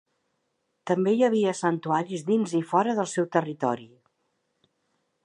També hi havia santuaris dins i fora del seu territori.